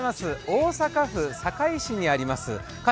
大阪府堺市にありますか